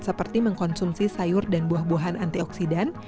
seperti mengkonsumsi sayur dan buah buahan antioksidan